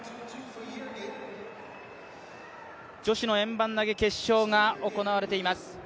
女子の円盤投決勝が行われています。